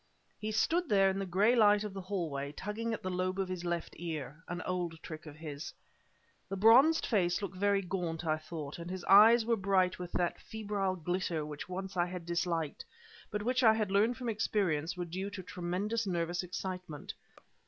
He stood there in the gray light of the hallway, tugging at the lobe of his left ear, an old trick of his. The bronzed face looked very gaunt, I thought, and his eyes were bright with that febrile glitter which once I had disliked, but which I had learned from experience were due to tremendous nervous excitement.